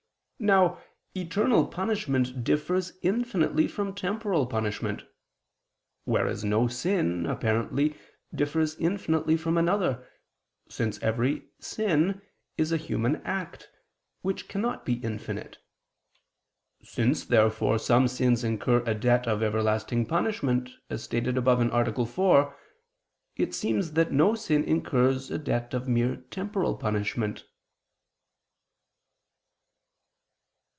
Now eternal punishment differs infinitely from temporal punishment: whereas no sin, apparently, differs infinitely from another, since every sin is a human act, which cannot be infinite. Since therefore some sins incur a debt of everlasting punishment, as stated above (A. 4), it seems that no sin incurs a debt of mere temporal punishment.